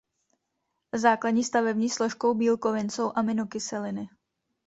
Základní stavební složkou bílkovin jsou aminokyseliny.